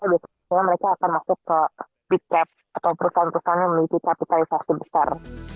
biasanya mereka akan masuk ke big caps atau perusahaan perusahaan yang memiliki kapitalisasi besar